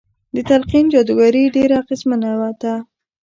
د تلقين جادوګري ډېره اغېزمنه ده.